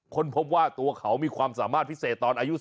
พบว่าตัวเขามีความสามารถพิเศษตอนอายุ